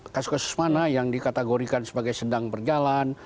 kasus kasus mana yang dikategorikan sebagai sedang berjalan